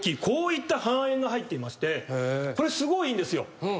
こういった半円が入っていましてこれすごいんですよ。